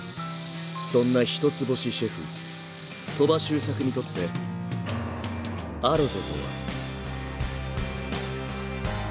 そんな一つ星シェフ鳥羽周作にとってシェフ！